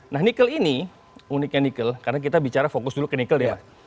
nah nikel ini uniknya nikel karena kita bicara fokus dulu ke nikel ya mbak